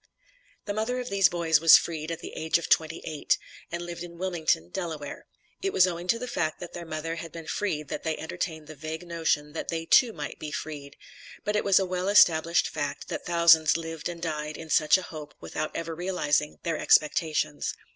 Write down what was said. The mother of these boys was freed at the age of twenty eight, and lived in Wilmington, Delaware. It was owing to the fact that their mother had been freed that they entertained the vague notion that they too might be freed; but it was a well established fact that thousands lived and died in such a hope without ever realizing their expectations.